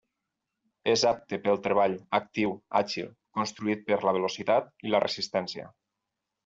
És apte pel treball, actiu, àgil, construït per la velocitat i la resistència.